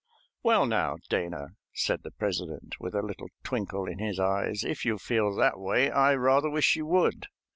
"Well, now, Dana," said the President, with a little twinkle in his eyes, "if you feel that way, I rather wish you would.